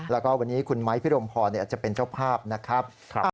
แล้วก็วันนี้คุณไมค์พี่ดมพอร์เนี่ยอาจจะเป็นเจ้าภาพนะครับ